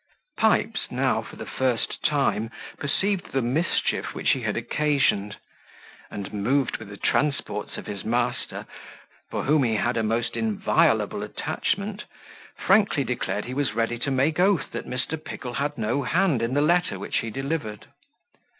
Pipes, now, for the first time, perceived the mischief which he had occasioned; and, moved with the transports of his master, for whom he had a most inviolable attachment, frankly declared he was ready to make oath that Mr. Pickle had no hand in the letter which he delivered.